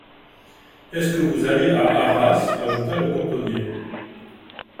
Est-ce que vous allez à Arras ? ajouta le cantonnier.